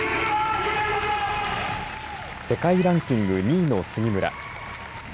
世界ランキング２位の杉村。